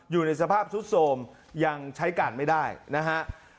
อยู่ในสภาพสุดโสมยังใช้การไม่ได้นะฮะ